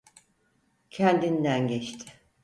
Kendinden geçti.